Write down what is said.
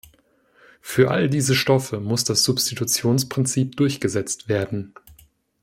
Für all diese Stoffe muss das Substitutionsprinzip durchgesetzt werden.